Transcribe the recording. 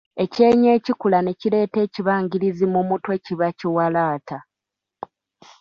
Ekyenyi ekikula ne kireeta ekibangirizi mu mutwe kiba kiwalaata.